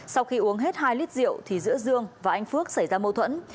sau khi uống hết hai lít rượu thì giữa dương và anh phước xảy ra mâu thuẫn